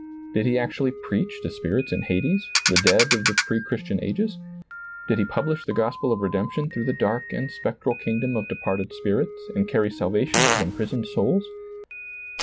Did he actually preach to spirits in hades, the dead of the pre Christian ages ? Did he publish the gospel of redemption through the dark and spectral kingdom of departed spirits and carry salvation to imprisoned souls